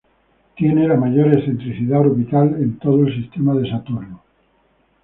Tiene la mayor excentricidad orbital de todo el sistema de saturno.